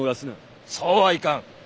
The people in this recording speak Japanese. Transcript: そうはいかん。